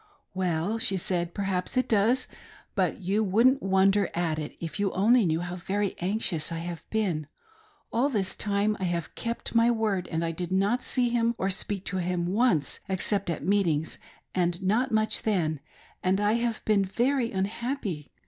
" Well," she said, "perhaps it does, but you wouldn't wonder at it, if you only knew how very anxious I have been. All this time I have kept my word, and I did not see him or speak to him once, except at meetings, and not much then, and I have been very unhappy.